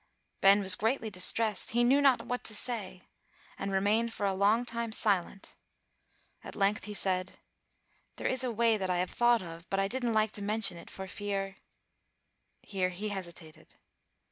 Ben was greatly distressed: he knew not what to say, and remained for a long time silent; at length he said, "There is a way that I have thought of, but I didn't like to mention it, for fear " Here he hesitated.